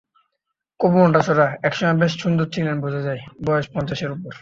খুব মোটাসোটা, এক সময়ে বেশ সুন্দরী ছিলেন বোঝা যায়, বয়স পঞ্চাশের উপর।